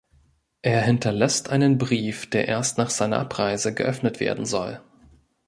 Er hinterlässt einen Brief, der erst nach seiner Abreise geöffnet werden soll.